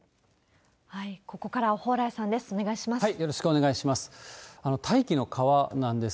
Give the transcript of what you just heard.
ここからは蓬莱さんです。